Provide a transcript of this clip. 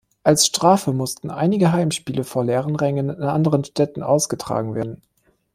Als Strafe mussten einige Heimspiele vor leeren Rängen in anderen Städten ausgetragen werden.